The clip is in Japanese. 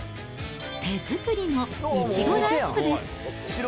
手作りのいちご大福です。